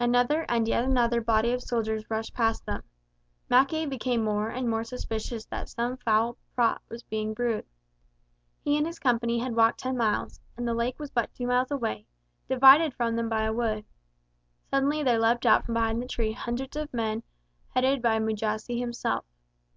Another and yet another body of soldiers rushed past them. Mackay became more and more suspicious that some foul plot was being brewed. He and his company had walked ten miles, and the lake was but two miles away, divided from them by a wood. Suddenly there leapt out from behind the trees of the wood hundreds of men headed by Mujasi himself.